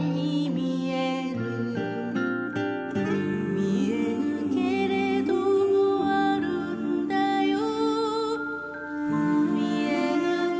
「見えぬけれどもあるんだよ」